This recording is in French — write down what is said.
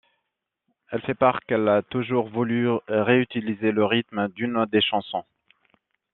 Elle fait part qu'elle a toujours voulu réutiliser le rythme d'une des chansons.